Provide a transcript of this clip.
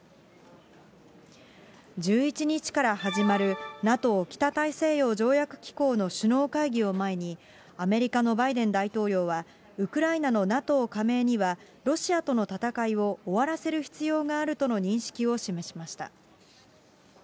１１日から始まるＮＡＴＯ・北大西洋条約機構の首脳会議を前に、アメリカのバイデン大統領はウクライナのＮＡＴＯ加盟には、ロシアとの戦いを終わらせる必要があるとの認識を示しました。